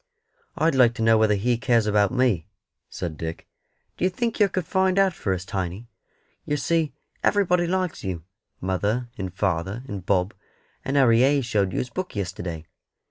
"I'd like to know whether He cares about me," said Dick. "D'ye think yer could find out for us, Tiny? Yer see everybody likes you mother, and father, and Bob; and Harry Hayes showed you his book yesterday.